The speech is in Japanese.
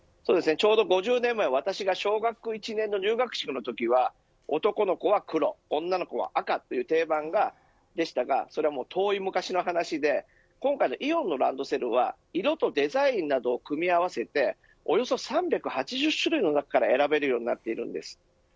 ちょうど５０年前私が小学校１年の入学式のときは男の子は黒、女の子は赤というのが定番がでしたがそれは遠い昔の話で今回のイオンのランドセルは色とデザインなどを組み合わせておよそ３８０種類の中から選べるようになっているんです。